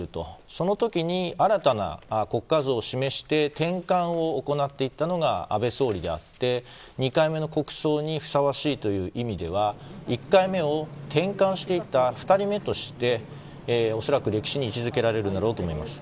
その時に新たな国家像を示して転換を行っていったのが安倍総理であって２回目の国葬にふさわしいという意味では２人目として恐らく歴史に位置づけられるだろうと思います。